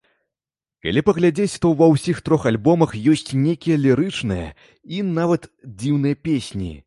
Калі паглядзець, то ва ўсіх трох альбомах ёсць нейкія лірычныя і, нават, дзіўныя песні.